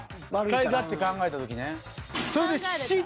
使い勝手考えた時ね。